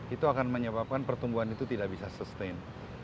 itu akan menyebabkan pertumbuhan itu tidak bisa sustain